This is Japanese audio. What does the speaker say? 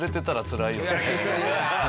つらい。